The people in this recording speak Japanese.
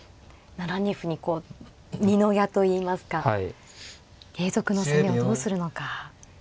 ７二歩に二の矢といいますか継続の攻めをどうするのか。